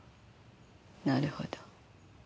なるほど。